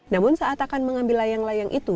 namun saat akan mengambil layang layang itu